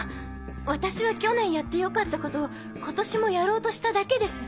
私は去年やってよかったことを今年もやろうとしただけです。